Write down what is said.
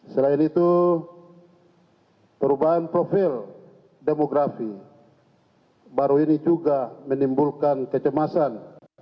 selain itu perubahan profil demografi baru ini juga menimbulkan kecemasan